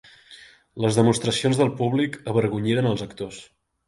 Les demostracions del públic avergonyiren els actors.